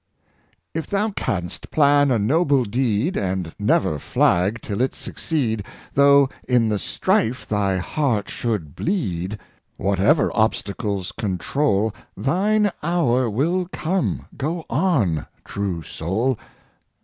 If thou canst plan a noble deed, And never flag till it succeed, Though in the strife thy heart should bleed, Whatever obstacles control, Thine hour will come — go on, true soul